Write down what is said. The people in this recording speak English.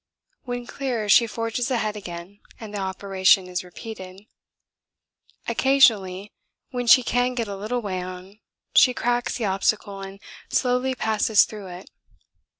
When clear she forges ahead again and the operation is repeated. Occasionally when she can get a little way on she cracks the obstacle and slowly passes through it.